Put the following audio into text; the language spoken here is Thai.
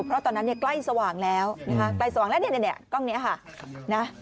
เพราะตอนนั้นใกล้สว่างแล้วใกล้สว่างแล้วนี่กล้องนี้นะ